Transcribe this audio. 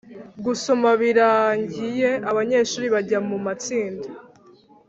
Gusoma birangiye, abanyeshuri bajya mu matsinda